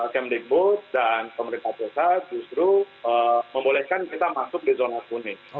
kemdikbud dan pemerintah pusat justru membolehkan kita masuk di zona kuning